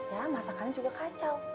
ya masakannya juga kacau